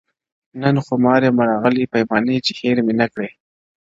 • نن خمار یمه راغلی پیمانې چي هېر مي نه کي -